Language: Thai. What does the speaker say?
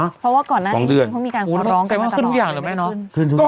เพราะว่าก่อนนั้นพวกมีการขอบร้องกันตลอด